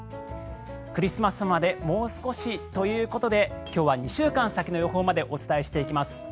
クリスマスまでもう少しということで今日は２週間先の予報までお伝えしていきます。